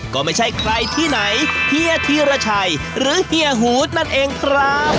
ก็ไม่ใช่ใครที่ไหนเฮียธีรชัยหรือเฮียหูดนั่นเองครับ